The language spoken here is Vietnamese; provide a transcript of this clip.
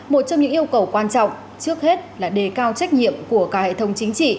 một trong những yêu cầu quan trọng trước hết là đề cao trách nhiệm của cả hệ thống chính trị